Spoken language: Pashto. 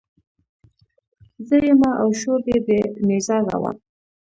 زه يمه او شور دی د نيزار روان